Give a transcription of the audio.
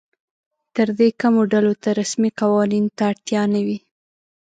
تر دې کمو ډلو ته رسمي قوانینو ته اړتیا نه وي.